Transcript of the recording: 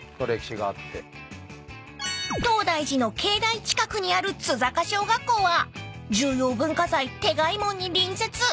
［東大寺の境内近くにある鼓阪小学校は重要文化財転害門に隣接］